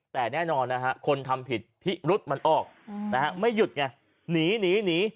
แต่แน่นอนนะฮะคนทำผิดพิรุษมันออกนะฮะไม่หยุดไงหนีหนี